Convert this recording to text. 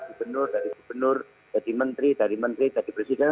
dari gubernur dari gubernur dari menteri dari menteri dari presiden